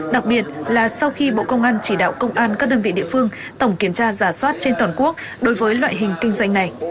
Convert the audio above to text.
đặc biệt là sau khi bộ công an chỉ đạo công an các đơn vị địa phương tổng kiểm tra giả soát trên toàn quốc đối với loại hình kinh doanh này